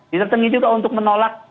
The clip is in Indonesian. didatengin juga untuk menolak